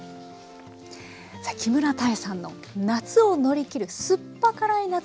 さあ木村多江さんの夏を乗り切る酸っぱ辛い夏